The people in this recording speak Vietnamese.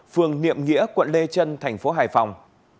phường niệm nghĩa quận lê trân thành phố hải phòng